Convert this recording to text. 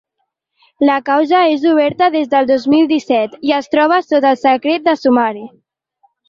La causa és oberta des del dos mil disset i es troba sota secret de sumari.